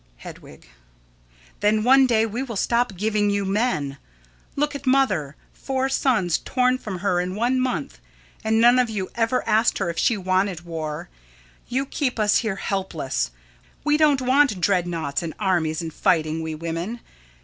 Hedwig: Then one day we will stop giving you men. Look at mother. Four sons torn from her in one month, and none of you ever asked her if she wanted war. You keep us here helpless. We don't want dreadnoughts and armies and fighting, we women.